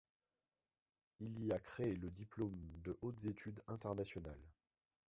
Il y a créé le diplôme de hautes études internationales.